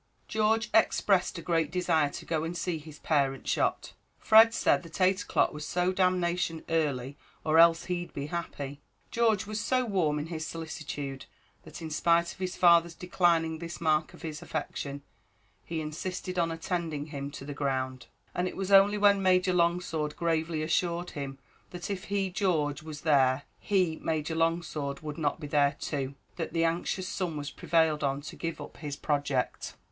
George expressed a great desire to go and see his parent shot. Fred said that eight o'clock was so damnation early, or else he'd be happy. George was so warm in his solicitude, that in spite of his father's declining this mark of his affection, he insisted on attending him to the ground; and it was only when Major Longsword gravely assured him that if he, George, was there he, Major Longsword, would not be there too, that the anxious son was prevailed on to give up his project.